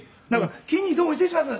「錦兄どうも失礼します」